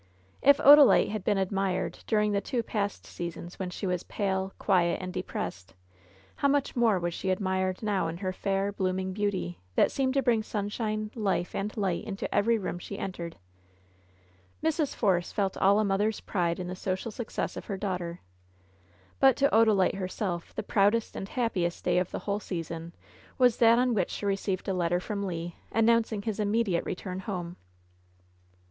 If Odalite had been admired during the two past sea sons when she was pale, quiet and depressed, how much more was she admired now in her fair, blooming beauty, that seemed to bring sunshine, life and light into every room she entered. Mrs. Force felt all a mother's pride in the social suc cess of her daughter. But to Odalite herself the proudest and happiest day of the whole season was that on which she received a letter from Le, announcing his immediate return home.